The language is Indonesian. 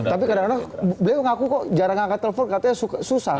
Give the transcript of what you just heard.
tapi kadang kadang beliau ngaku kok jarang ngangkat telepon katanya susah